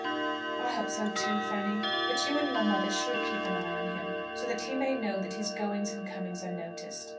] "I hope so too, Fanny. But you and your mother should keep an eye on him, so that he may know that his goings and comings are noticed.